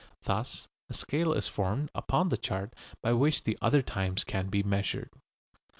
Thus a scale is formed upon the chart by which the other times can be measured.